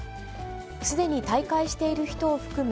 すでに退会している人を含む